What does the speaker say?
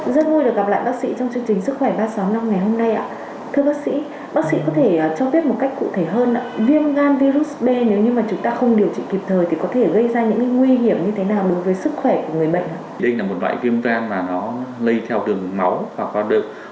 đây là một loại viêm gan mà nó lây theo đường máu và con đường